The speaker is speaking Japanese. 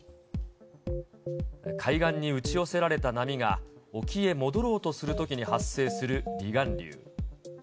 海岸に打ち寄せられた波が沖へ戻ろうとするときに発生する離岸流。